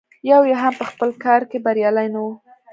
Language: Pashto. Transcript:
یو یې هم په خپل کار کې بریالی نه و.